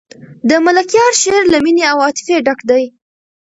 د ملکیار شعر له مینې او عاطفې ډک دی.